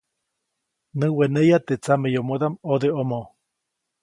Näweneya teʼ tsameyomodaʼm ʼodeʼomo.